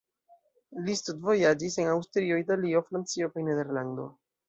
Li studvojaĝis en Aŭstrio, Italio, Francio kaj Nederlando.